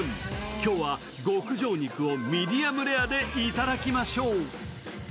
今日は極上肉をミディアムレアで頂きましょう。